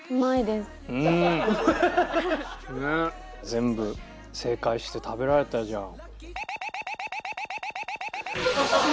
全部正解して食べられたじゃん。